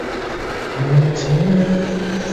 丰碑稍低于智者丰碑。